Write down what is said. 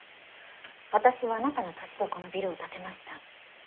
私はあなたの年でこのビルを建てました。